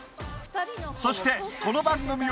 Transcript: そしてこの番組を